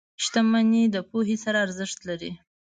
• شتمني د پوهې سره ارزښت لري.